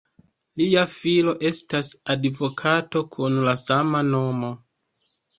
Lia filo estas advokato kun la sama nomo.